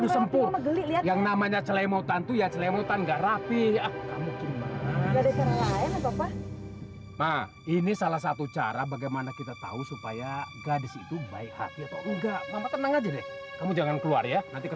sampai jumpa di video selanjutnya